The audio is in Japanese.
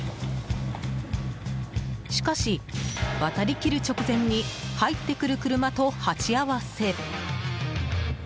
しかし、渡り切る直前に入ってくる車と鉢合わせ。